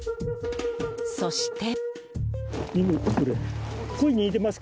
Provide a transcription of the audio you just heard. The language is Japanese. そして。